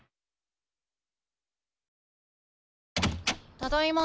ただいま。